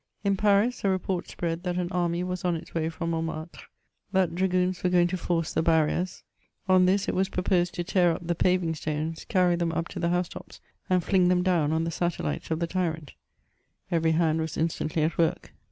In Paris, a report spread that an army was on its way from Montmartre, that dragoons were going to force the barriers ; on this it was proposed to tear up the paving stones, carry them up to the house tops, and fling them down on the satellites of the tyrant — every hand was instantly at work.